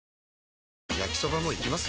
焼きソバもいきます？